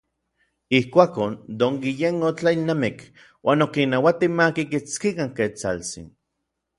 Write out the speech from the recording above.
Ijkuakon, Don Guillén otlailnamik uan okinnauati makikitskikan Ketsaltsin.